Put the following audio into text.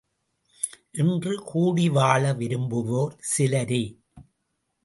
இன்று கூடி வாழ விரும்புவோர் சிலரே.